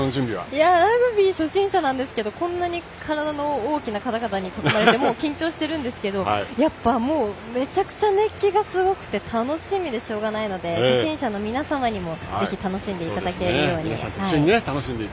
ラグビー初心者なんですけどこんなに体の大きな方々に囲まれて緊張してるんですけどめちゃくちゃ熱気がすごくて楽しみでしかたなくて初心者の皆様にも楽しんでいただけるように。